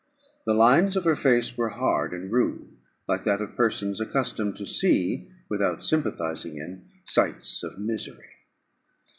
The lines of her face were hard and rude, like that of persons accustomed to see without sympathising in sights of misery.